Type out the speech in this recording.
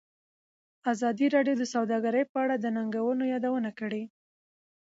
ازادي راډیو د سوداګري په اړه د ننګونو یادونه کړې.